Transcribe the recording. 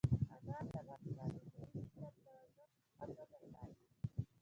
انار د افغانستان د طبعي سیسټم توازن په ښه توګه ساتي.